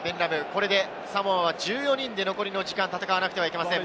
これでサモアは１４人で残りの時間を戦わなくてはいけません。